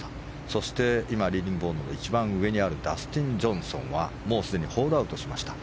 そして今、リーディングボードの一番上にあるダスティン・ジョンソンはもうすでにホールアウトしました。